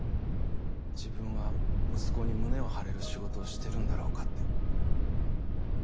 自分は息子に胸を張れる仕事をしてるんだろうかって。